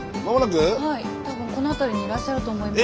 はい多分この辺りにいらっしゃると思います。